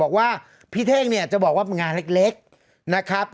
บอกว่าพี่เท่งเนี่ยจะบอกว่าเป็นงานเล็กนะครับ